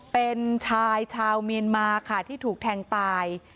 เป็นชายชาวเมียนมาค่ะที่ถูกแทงตาย